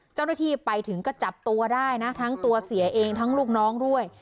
เจ้าหน้าที่ไปถึงก็จับตัวได้นะทั้งตัวเสียเองทั้งลูกน้องด้วย